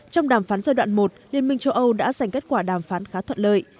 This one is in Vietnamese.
trong đàm phán giai đoạn một liên minh châu âu đã dành kết quả đàm phán khá thuận lợi